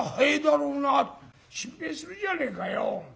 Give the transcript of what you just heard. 心配するじゃねえかよ。